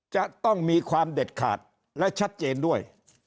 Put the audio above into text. จะต้องมีความเด็ดขาดและชัดเจนด้วย